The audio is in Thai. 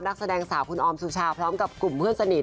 นักแสดงสาวคุณออมสุชาพร้อมกับกลุ่มเพื่อนสนิท